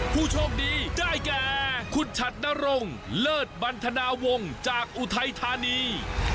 ผู้โชคดีได้แก่คุณฉัดนรงเลิศบันทนาวงศ์จากอุทัยธานี